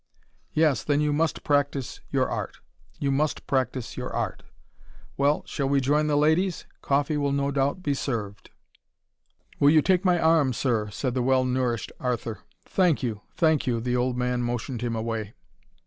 "Yes, then you must practice your art: you must practice your art. Well shall we join the ladies? Coffee will no doubt be served." "Will you take my arm, Sir?" said the well nourished Arthur. "Thank you, thank you," the old man motioned him away.